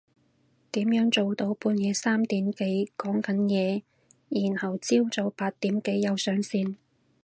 點樣做到半夜三點幾講緊嘢然後朝早八點幾又上線？